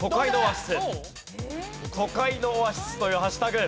都会のオアシスというハッシュタグ。